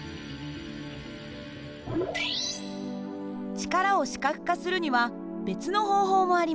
力を視覚化するには別の方法もあります。